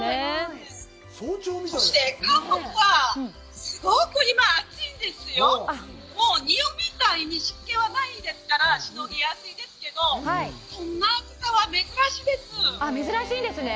そして韓国はすごく今暑いんですよ日本みたいに湿気はないですからしのぎやすいですけどこんな暑さは珍しいです珍しいんですね